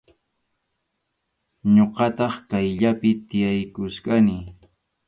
Ñuqataq kaqllapi tiyaykuchkani.